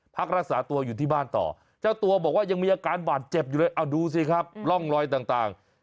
พักรักษาตัวอยู่ที่บ้านต่อเจ้าตัวบอกว่ายังมีอาการบาดเจ็บอยู่เลยเอาดูสิครับร่องรอยต่าง